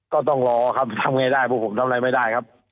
ก็ต้องรอครับทำง่ายได้พวกผมทำอะไรไม่ได้ครับ